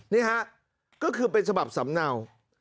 นี่ฮะก็คือเป็นฉบับสำเนา